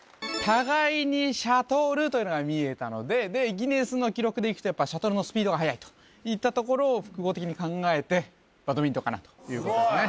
「互いにシャトル」というのが見えたのででギネスの記録でいくとやっぱシャトルのスピードが速いといったところを複合的に考えてバドミントンかなということですね・